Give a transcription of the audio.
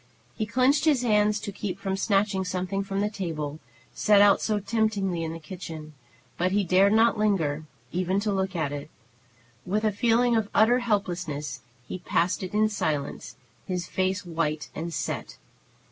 He clenched his hands to keep from snatching something from the table, set out so temptingly in the kitchen, but he dared not linger even to look at it. With a feeling of utter helplessness he passed it in silence, his face white and set.